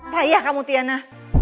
payah kamu tiana